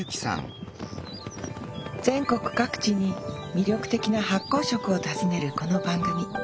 全国各地に魅力的な発酵食を訪ねるこの番組。